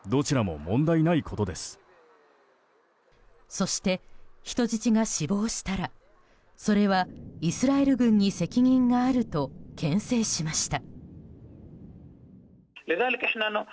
そして人質が死亡したらそれはイスラエル軍に責任があると牽制しました。